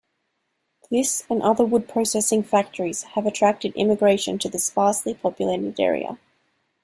This and other wood processing factories have attracted immigration to the sparsely-populated area.